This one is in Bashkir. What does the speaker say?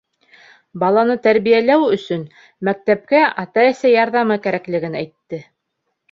Баланы тәрбиәләү өсөн, мәктәпкә ата-әсә ярҙамы кәрәклеген әйтте.